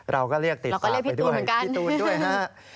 เราก็เรียกติดตามไปด้วยพี่ตูนด้วยนะครับเราก็เรียกพี่ตูนเหมือนกัน